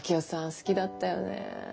好きだったよね。